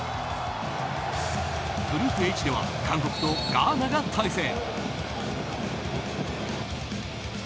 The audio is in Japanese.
グループＨでは韓国とガーナが対戦。